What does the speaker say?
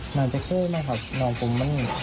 เหนื่องเห็นหนาก่อนในงานมากก่อนปะตอนที่ฉีดถูกสิ